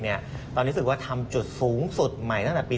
เรารู้สึกว่าทำจุดสูงสุดใหม่ตั้งแต่ปี๒๐๑๓